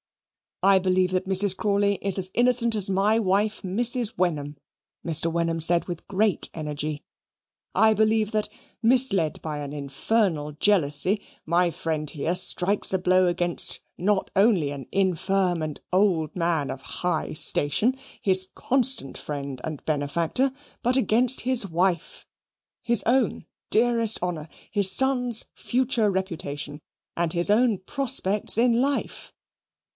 "I believe that Mrs. Crawley is as innocent as my wife, Mrs. Wenham," Mr. Wenham said with great energy. "I believe that, misled by an infernal jealousy, my friend here strikes a blow against not only an infirm and old man of high station, his constant friend and benefactor, but against his wife, his own dearest honour, his son's future reputation, and his own prospects in life."